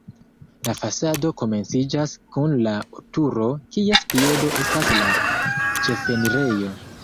La fasado komenciĝas kun la turo, kies piedo estas la ĉefenirejo.